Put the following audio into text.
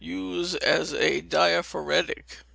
Use as a diaphoretic.